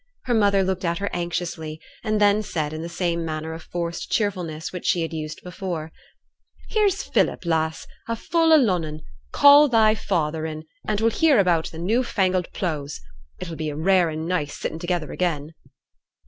Her mother looked at her anxiously, and then said in the same manner of forced cheerfulness which she had used before, 'Here's Philip, lass, a' full o' Lunnon; call thy father in, an we'll hear a' about t' new fangled pleughs. It'll be rare an' nice a' sitting together again.'